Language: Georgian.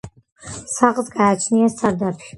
სახლს გააჩნია სარდაფი.